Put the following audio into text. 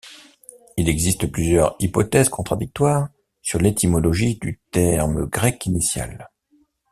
Il existe plusieurs hypothèses contradictoires sur l'étymologie du terme grec initial.